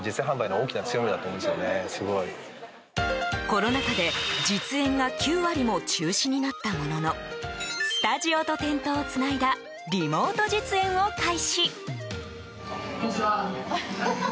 コロナ禍で実演が９割も中止になったもののスタジオと店頭をつないだリモート実演を開始。